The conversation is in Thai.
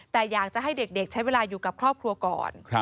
แต่อยากจะให้เด็กใช้เวลาอยู่กับครอบครัวก่อน